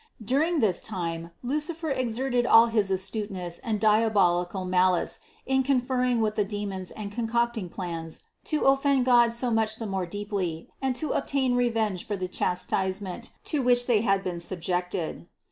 During this time Lucifer exerted all his astuteness and diabolical malice in conferring with the demons and concocting plans to offend God so much the more deeply, and to obtain re 118 CITY OF GOD venge for the chastisement, to which he had been sub jected.